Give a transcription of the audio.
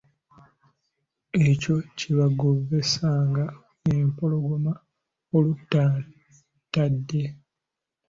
Ekyo kye baagobesanga empologoma olutatadde.